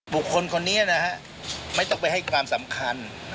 บุคคลคนนี้นะฮะไม่ต้องไปให้ความสำคัญ